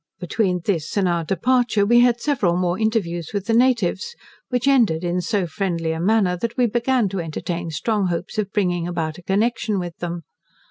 Between this and our departure we had several more interviews with the natives, which ended in so friendly a manner, that we began to entertain strong hopes of bringing about a connection with them.